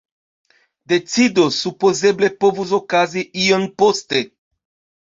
Decido supozeble povus okazi iom poste.